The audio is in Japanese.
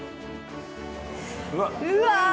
うわ！